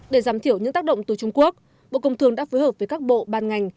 để giảm thiểu những tác động từ trung quốc bộ công thường đã phối hợp với các bộ ban ngành